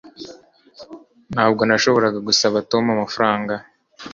Ntabwo nashoboraga gusaba Tom amafaranga